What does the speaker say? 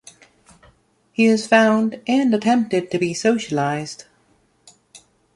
He is found and attempted to be socialized.